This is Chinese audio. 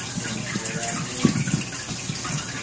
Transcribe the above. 大台南公车系台南市市区汽车客运之品牌形象名称。